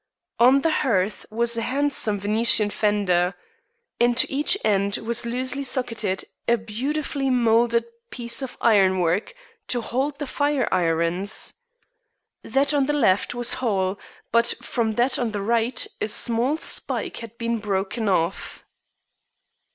On the hearth was a handsome Venetian fender. Into each end was loosely socketed a beautifully moulded piece of ironwork to hold the fire irons. That on the left was whole, but from that on the right a small spike had been broken off.